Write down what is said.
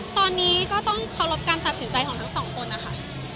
ตอนนี้ก็ต้องเคารพการตัดสินใจของทั้งสองคนนะคะ